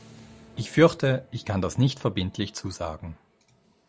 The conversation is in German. Ich fürchte, ich kann das nicht verbindlich zusagen.